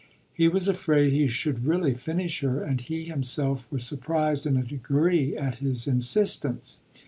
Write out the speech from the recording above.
He was afraid he should really finish her, and he himself was surprised in a degree at his insistence.